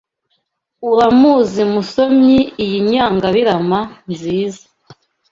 Uramuzi musomyi iyi nyangabirama nziza